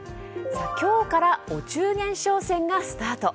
今日からお中元商戦がスタート。